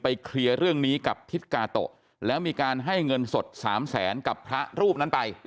เคลียร์เรื่องนี้กับทิศกาโตะแล้วมีการให้เงินสด๓แสนกับพระรูปนั้นไป